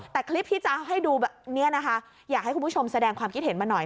แต่คลิปที่จะให้ดูแบบนี้นะคะอยากให้คุณผู้ชมแสดงความคิดเห็นมาหน่อย